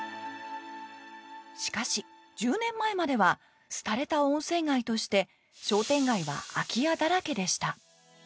しかし１０年前までは廃れた温泉街として商店街は空き家だらけでした。